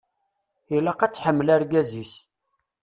Ilaq ad tḥemmel argaz-is.